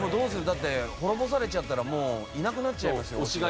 だって滅ぼされちゃったらもういなくなっちゃいますよ推しが。